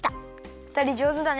ふたりじょうずだね。